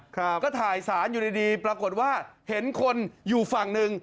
ก็ถ่ายสารอยู่ดีดีปรากฏว่าเห็นคนอยู่ฝั่งหนึ่ง